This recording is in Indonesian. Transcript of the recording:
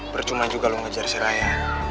bercuma juga lo ngejar si raya